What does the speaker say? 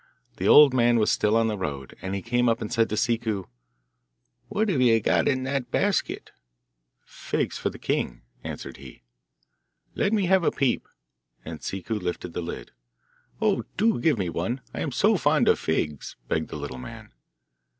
The old man was still on the road, and he came up and said to Ciccu, 'What have you got in that basket?' 'Figs for the king,' answered he. 'Let me have a peep,' and Ciccu lifted the lid. 'Oh, do give me one, I am so fond of figs,' begged the little man.